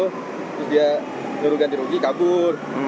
terus dia nurugan dirugi kabur